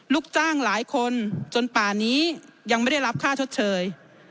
ลูกจ้างหลายคนจนป่านี้ยังไม่ได้รับค่าชดเชย